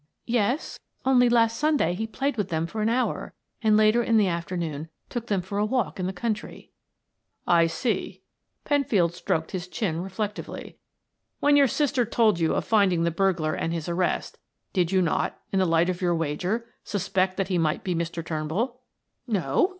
"Yes. Only last Sunday he played with them for an hour, and later in the afternoon took them for a walk in the country." "I see." Penfield stroked his chin reflectively. "When your sister told you of finding the burglar and his arrest, did you not, in the light of your wager, suspect that he might be Mr. Turnbull?" "No."